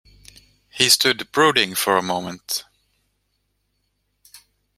He stood brooding for a moment.